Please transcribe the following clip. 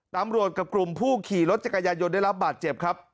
ตำรวจกับกลุ่มผู้ขี่รถจักรยายนได้รับบาดเจ็บครับ